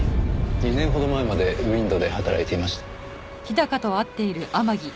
２年ほど前までＷＩＮＤで働いていました。